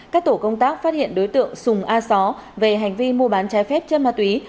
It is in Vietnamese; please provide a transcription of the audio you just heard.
các tổ công tác phát hiện đối tượng sùng a só về hành vi mua bán trái phép chân ma túy